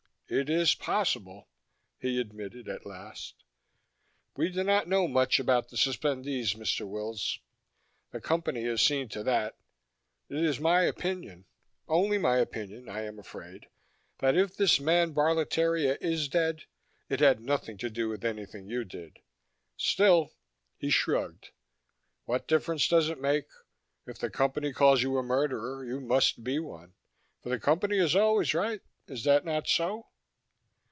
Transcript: "It is possible," he admitted at last. "We do not know much about the suspendees, Mr. Wills. The Company has seen to that. It is my opinion only an opinion, I am afraid that if this man Barletteria is dead, it had nothing to do with anything you did. Still " he shrugged "what difference does it make? If the Company calls you a murderer, you must be one, for the Company is always right. Is that not so?"